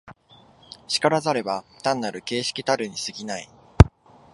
然らざれば単なる形式たるに過ぎない。